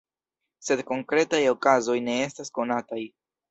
Sed konkretaj okazoj ne estas konataj.